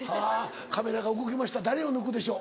カメラが動きました誰を抜くでしょう？